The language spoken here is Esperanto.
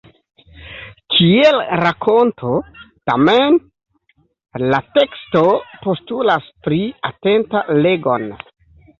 Kiel rakonto, tamen, la teksto postulas pli atentan legon.